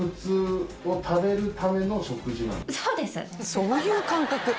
そういう感覚。